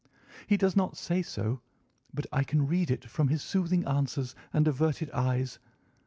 He does not say so, but I can read it from his soothing answers and averted eyes.